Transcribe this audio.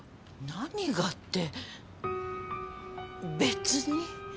何がって別に。